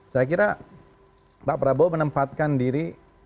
saya kira pak prabowo menempatkan diri